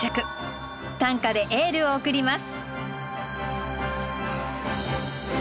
短歌でエールを送ります。